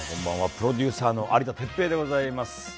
プロデューサーの有田哲平でございます。